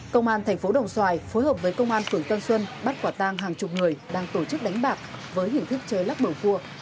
công an thành phố đồng xoài phối hợp với công an phường tân xuân bắt quả tang hàng chục người đang tổ chức đánh bạc với hình thức chơi lắc bầu cua